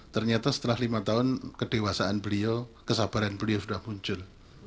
ternyata setelah lima tahun kedewasaan beliau kesabaran beliau sudah muncul